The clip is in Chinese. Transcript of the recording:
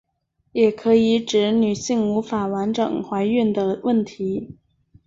也可以指女性无法完整怀孕的问题。